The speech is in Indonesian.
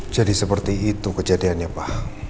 jadi seperti itu kejadiannya pa